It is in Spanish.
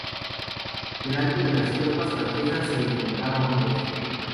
Delante de las tropas francesas se encontraba un bosque.